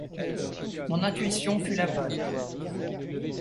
Mon intuition fut la bonne.